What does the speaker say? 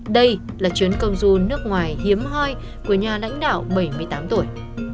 đây là chuyến công du nước ngoài hiếm hoi của nhà lãnh đạo bảy mươi tám tuổi